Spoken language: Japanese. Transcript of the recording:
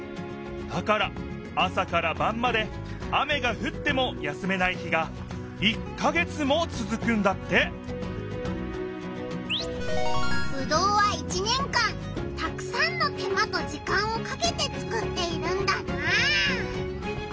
だから朝からばんまで雨がふっても休めない日が「１か月」もつづくんだってぶどうは１年間たくさんの手間と時間をかけてつくっているんだなあ。